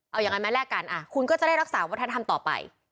เอาอย่างนั้นมาแลกกันคุณก็จะได้รักษาวัฒนธรรมต่อไป